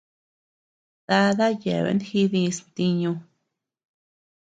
Dada yeabean jidis ntiñu.